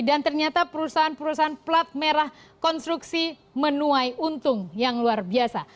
dan ternyata perusahaan perusahaan plat merah konstruksi menuai untung yang luar biasa